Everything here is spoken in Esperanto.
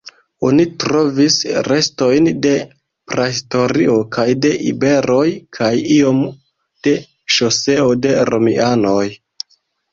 Oni trovis restojn de prahistorio kaj de iberoj kaj iom de ŝoseo de romianoj.